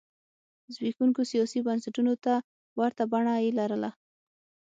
زبېښونکو سیاسي بنسټونو ته ورته بڼه یې لرله.